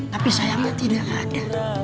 tapi sayangnya tidak ada